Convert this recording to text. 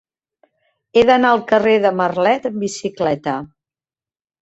He d'anar al carrer de Marlet amb bicicleta.